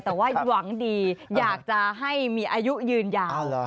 แต่ว่าหวังดีอยากจะให้มีอายุยืนยาว